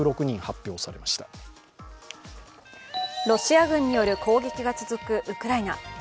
ロシア軍による攻撃が続くウクライナ。